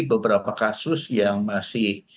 beberapa kasus yang masih